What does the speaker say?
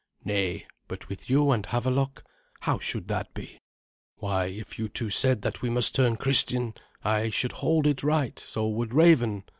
"Nay, but with you and Havelok? How should that be? Why, if you two said that we must turn Christian, I should hold it right; so would Raven.